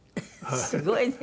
すごいね。